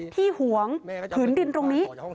ที่หวงถึงดินตรงนี้